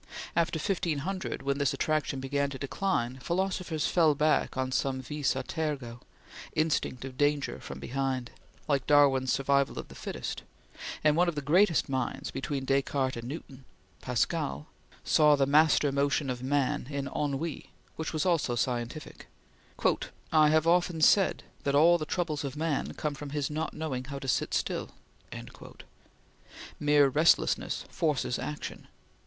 After 1500, when this attraction began to decline, philosophers fell back on some vis a tergo instinct of danger from behind, like Darwin's survival of the fittest; and one of the greatest minds, between Descartes and Newton Pascal saw the master motor of man in ennui, which was also scientific: "I have often said that all the troubles of man come from his not knowing how to sit still." Mere restlessness forces action.